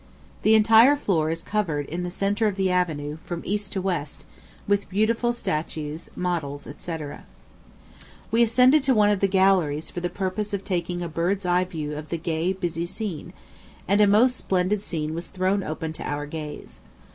The entire floor is covered in the centre of the avenue, from east to west, with beautiful statues, models, &c. We ascended to one of the galleries for the purpose of taking a bird's eye view of the gay, busy scene; and a most splendid scene was thrown open to our gaze.